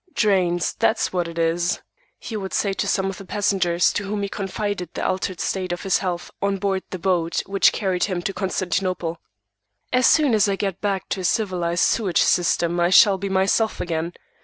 "Drains, that's what it is," he would say to some of the passengers to whom he confided the altered state of his health on board the boat which carried him to Constantinople. "As soon as I get back to a civilized sewage system I shall be myself again.